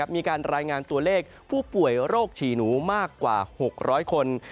มีการรายงานตัวเลขผู้ป่วยโรคฉี่หนูมากกว่า๖๐๐คน